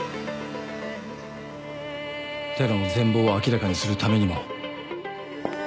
テロの全貌を明らかにするためにも。